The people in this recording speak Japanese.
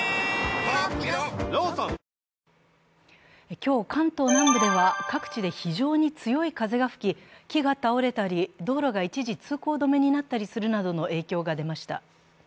今日、関東南部では各地で非常に強い風が吹き木が倒れたり、道路が一時通行止めになったりするなどの影響が出ました。